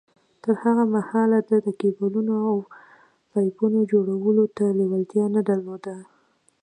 تر هغه مهاله ده د کېبلو او پايپونو جوړولو ته لېوالتيا نه درلوده.